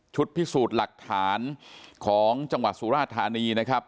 พิสูจน์หลักฐานของจังหวัดสุราธานีนะครับ